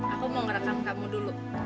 aku mau ngerekam kamu dulu